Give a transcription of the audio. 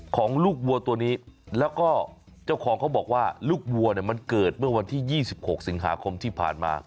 ของลูกวัวตัวนี้แล้วก็เจ้าของเขาบอกว่าลูกวัวเนี่ยมันเกิดเมื่อวันที่๒๖สิงหาคมที่ผ่านมา